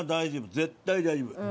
絶対大丈夫。